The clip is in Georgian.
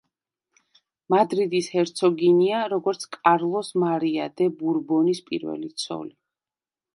მადრიდის ჰერცოგინია როგორც კარლოს მარია დე ბურბონის პირველი ცოლი.